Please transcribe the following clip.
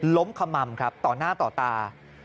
ขม่ำครับต่อหน้าต่อตา